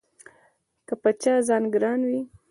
که په چا ځان ګران وي